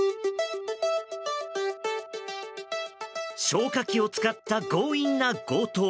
消火器を使った強引な強盗。